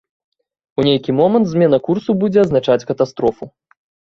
У нейкі момант змена курсу будзе азначаць катастрофу.